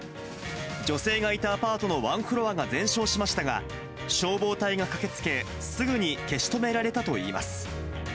女性がいたアパートのワンフロアが全焼しましたが、消防隊が駆けつけ、すぐに消し止められたといいます。